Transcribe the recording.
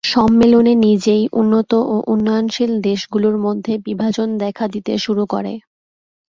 সম্মেলনে নিজেই, উন্নত ও উন্নয়নশীল দেশগুলির মধ্যে বিভাজন দেখা দিতে শুরু করে।